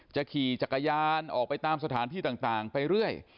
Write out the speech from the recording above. ขี่จักรยานออกไปตามสถานที่ต่างไปเรื่อย